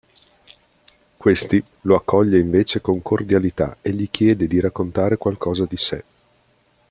Questi lo accoglie invece con cordialità e gli chiede di raccontare qualcosa di sé.